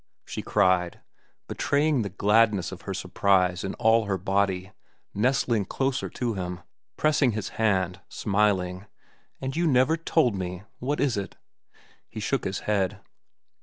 she cried, betraying the gladness of her surprise in all her body, nestling closer to him, pressing his hand, smiling. "And you never told me! What is it?" He shook his head.